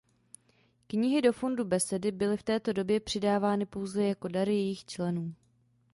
Knihy do fondu Besedy byly v této době přidávány pouze jako dary jejích členů.